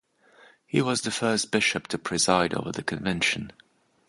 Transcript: He was the first bishop to preside over the convention.